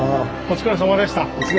お疲れさまでした。